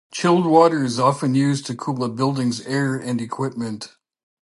Chilled water is often used to cool a building's air and equipment.